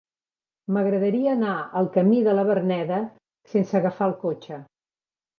M'agradaria anar al camí de la Verneda sense agafar el cotxe.